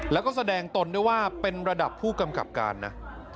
แล้วก็แสดงตนด้วยว่าเป็นระดับผู้กำกับการนะ